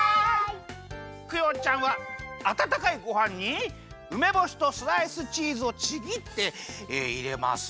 クヨちゃんはあたたかいごはんにうめぼしとスライスチーズをちぎっていれます。